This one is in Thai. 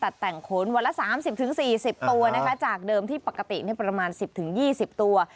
แต่งขนวันละ๓๐๔๐ตัวนะคะจากเดิมที่ปกติประมาณ๑๐๒๐ตัว